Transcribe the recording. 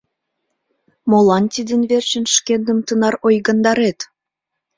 Молан тидын верчын шкендым тынар ойгандарет?